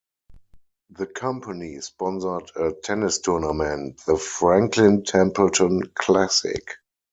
The company sponsored a tennis tournament, the Franklin Templeton Classic.